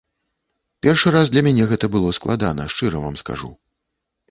Першы раз для мяне гэта было складана, шчыра вам скажу.